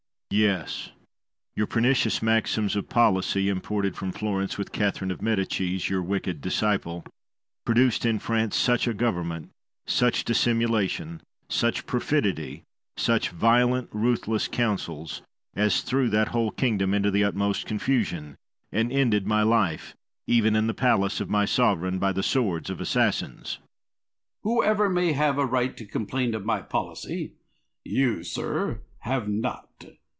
Guise. Yes. Your pernicious maxims of policy, imported from Florence with Catherine of Medicis, your wicked disciple, produced in France such a government, such dissimulation, such perfidy, such violent, ruthless counsels, as threw that whole kingdom into the utmost confusion, and ended my life, even in the palace of my sovereign, by the swords of assassins. Machiavel. Whoever may have a right to complain of my policy, you, sir, have not.